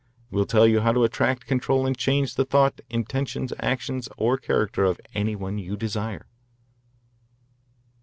Will tell you how to attract, control, and change the thought, intentions, actions, or character of any one you desire.